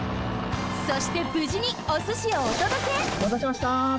そしてぶじにおすしをおとどけおまたせしました。